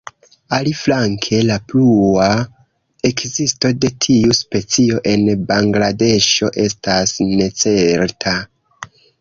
Aliflanke la plua ekzisto de tiu specio en Bangladeŝo estas necerta.